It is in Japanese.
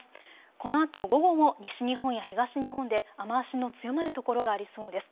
このあと午後も西日本や東日本で雨足の強まる所がありそうです。